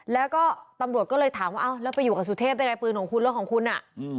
แล้วก็ตำรวจก็เลยถามว่าอ้าวแล้วไปอยู่กับสุเทพยังไงปืนของคุณรถของคุณอ่ะอืม